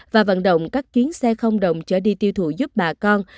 và vận động các chuyến xe không động chở đi tiêu thụ giúp bà con